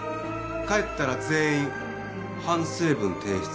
帰ったら全員反省文提出な。